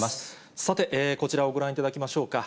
さて、こちらをご覧いただきましょうか。